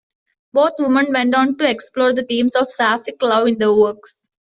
Both women went on to explore the themes of sapphic love in their works.